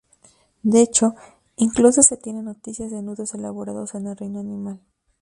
De hecho, incluso se tienen noticias de nudos elaborados en el reino animal.